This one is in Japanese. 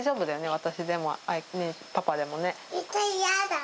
私でもパパでもね。